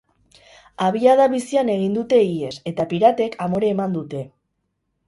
Abiada bizian egin dute ihes eta piratek amore eman dute.